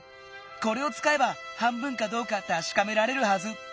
これをつかえば半分かどうかたしかめられるはず！